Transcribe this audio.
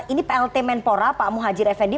ini plt menpora pak muhajir effendi